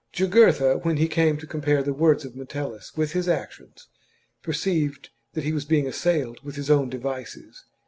Jugurtha, when he came to compare chap. the words of Metellus with his actions, perceived that he was being assailed with his own devices.